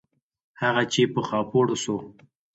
هغه چې په خاپوړو سو.